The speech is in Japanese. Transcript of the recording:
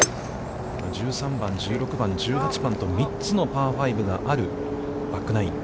１３番、１６番、１８番と３つのパー５があるバックナイン。